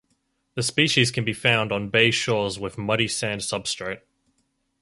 The species can be found on bay shores with muddy sand substrate.